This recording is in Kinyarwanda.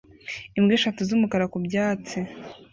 Imbwa eshatu z'umukara ku byatsi